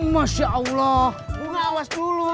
masya allah bunga awas dulu